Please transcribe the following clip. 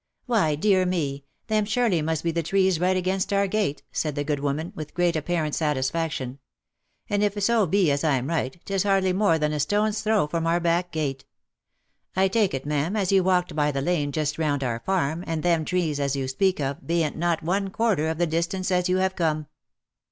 " Why, dear me ! them surely must be the trees right against our gate," said the good woman, ■with great apparent satisfaction. " And if so be as I'm right, 'tis hardly more than a stone's throw from our back gate. I take it, OF MICHAEL ARMSTRONG. 271 ma'am, as you walked by the lane just round our farm, and them trees as you speak of, bean't not one quarter of the distance as you have come."